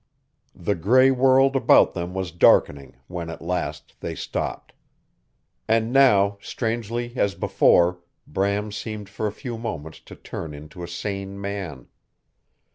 The gray world about them was darkening when at last they stopped. And now, strangely as before, Bram seemed for a few moments to turn into a sane man.